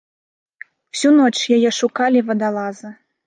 Усю ноч яе шукалі вадалазы.